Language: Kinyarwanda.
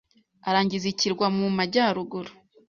arangiza ikirwa mu majyaruguru.